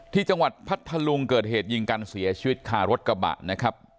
ที่จังหวัดพัทธลุงเกิดเหตุยิงกันเสียชีวิตคารถกระบะนะครับ